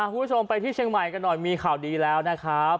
คุณผู้ชมไปที่เชียงใหม่กันหน่อยมีข่าวดีแล้วนะครับ